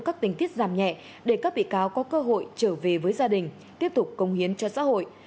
các tình tiết giảm nhẹ để các bị cáo có cơ hội trở về với gia đình tiếp tục công hiến cho xã hội